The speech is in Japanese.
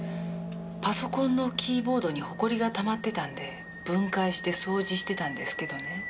パソコンのキーボードにほこりがたまってたんで分解して掃除してたんですけどね。